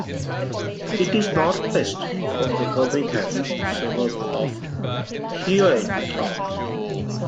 It is northwest from the Birmingham suburb of Hueytown.